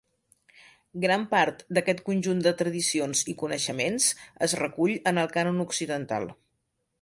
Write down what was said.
Gran part d'aquest conjunt de tradicions i coneixements es recull en el cànon occidental.